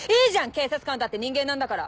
警察官だって人間なんだから。